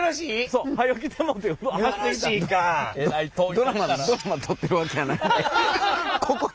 ドラマ撮ってるわけやないねん。